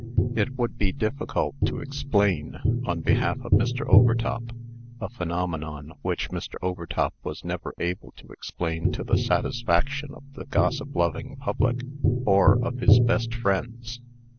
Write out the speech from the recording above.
It would be difficult to explain, on behalf of Mr. Overtop, a phenomenon which Mr. Overtop was never able to explain to the satisfaction of the gossip loving public, or of his best friends.